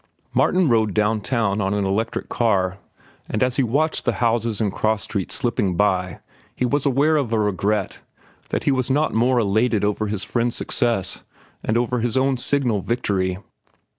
Martin rode down town on an electric car, and as he watched the houses and cross streets slipping by he was aware of a regret that he was not more elated over his friend's success and over his own signal victory.